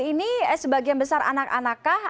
delapan ratus tiga puluh satu ini sebagian besar anak anak kah